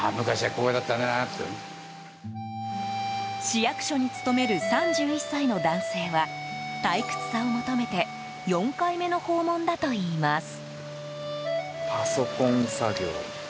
市役所に勤める３１歳の男性は退屈さを求めて４回目の訪問だといいます。